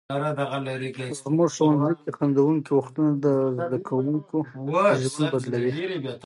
زموږ ښوونځي کې خندونکي وختونه د زده کوونکو ژوند بدلوي.